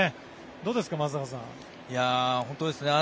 どうですか、松坂さん。